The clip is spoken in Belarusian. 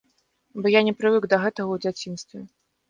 Бо я не прывык да гэтага ў дзяцінстве.